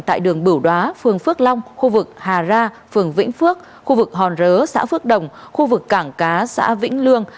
tại đường bửu đóa phương phước long khu vực hà ra phương vĩnh phước khu vực hòn rớ xã phước đồng khu vực cảng cá xã vĩnh lương